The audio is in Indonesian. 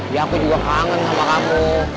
ya aku juga kangen sama kamu